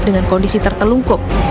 dengan kondisi tertelungkup